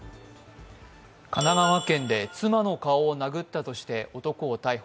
神奈川県で妻の顔を殴ったとして男を逮捕。